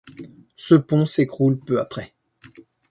Ce pont s'écroule peu après.